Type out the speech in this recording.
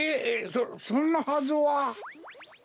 そそんなはずは。